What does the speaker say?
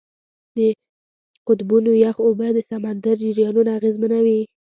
د قطبونو یخ اوبه د سمندر جریانونه اغېزمنوي.